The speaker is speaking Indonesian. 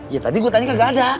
ya tadi gue tanya kagak ada